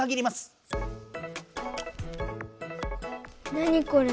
何これ？